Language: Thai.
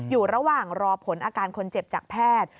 อยู่ระหว่างรอผลอาการคนเจ็บจากแพทย์